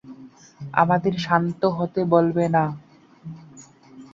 আমাদের শান্ত হতে বলবে না।